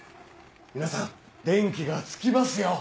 皆さん電気がつきますよ。